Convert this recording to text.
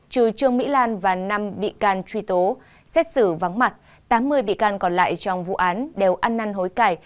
trừ trương mỹ lan và năm bị can truy tố xét xử vắng mặt tám mươi bị can còn lại trong vụ án đều ăn năn hối cải